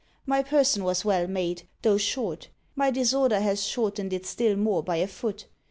My person was well made, though short; my disorder has shortened it still more by a foot.